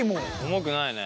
重くないね。